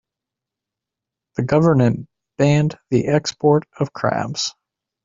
The government banned the export of crabs.